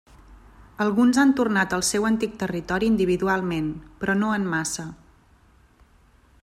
Alguns han tornat al seu antic territori individualment, però no en massa.